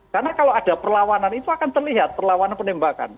karena kalau ada perlawanan itu akan terlihat perlawanan penembakan